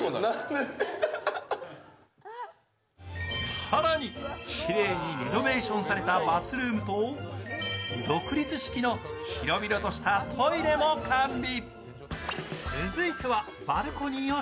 更に、きれいにリノベーションされたバスルームと独立式の広々としたトイレも完備。